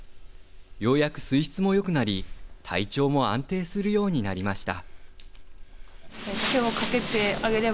ようやく水質もよくなり体調も安定するようになりました。